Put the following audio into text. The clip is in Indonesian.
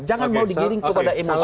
jangan mau digiring kepada emosi